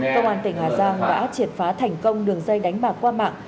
công an tỉnh hà giang đã triệt phá thành công đường dây đánh bạc qua mạng